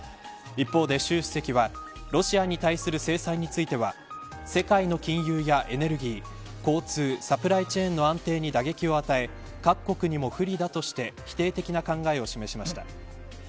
一方で、習主席はロシアに対する制裁については世界の金融やエネルギー交通やサプライチェーンの安定に打撃を与え各国にも不利だとして否定的な考えを示しました。